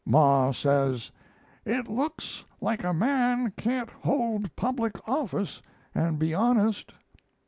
Ma says: "It looks like a man can't hold public office and be honest."